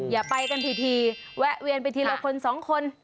อย่าไปกันทีแวะเวียนไปทีละคนสองคน